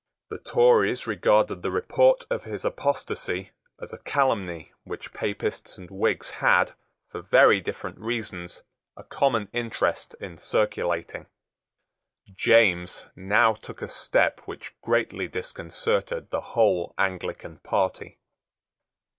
The Tories regarded the report of his apostasy as a calumny which Papists and Whigs had, for very different reasons, a common interest in circulating. James now took a step which greatly disconcerted the whole Anglican party.